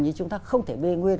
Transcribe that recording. nhưng chúng ta không thể bê nguyên